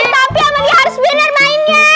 tapi amri harus benar mainnya